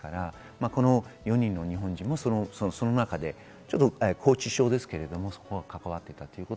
この４人の日本人もその中で、拘置所ですけれど関わっていたということ